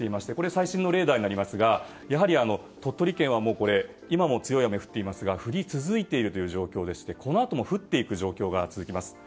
最新のレーダーになりますがやはり鳥取県は今も強い雨が降っていますが降り続いている状況でこのあとも降っていく状況が続きます。